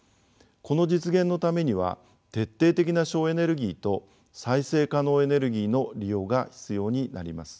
この実現のためには徹底的な省エネルギーと再生可能エネルギーの利用が必要になります。